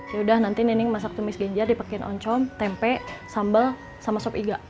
yaudah nanti nining masak tumis genyar dipakain oncom tempe sambal sama sop iga